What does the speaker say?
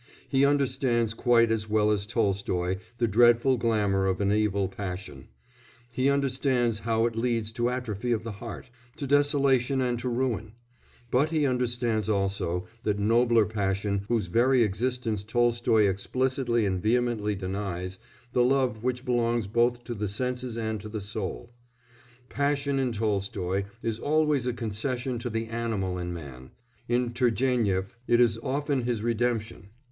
He understands, quite as well as Tolstoy, the dreadful glamour of an evil passion; he understands how it leads to atrophy of the heart, to desolation and to ruin; but he understands also that nobler passion whose very existence Tolstoy explicitly and vehemently denies the love which belongs both to the senses and to the soul. Passion in Tolstoy is always a concession to the animal in man; in Turgénief it is often his redemption.